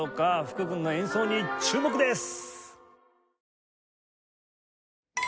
福君の演奏に注目です。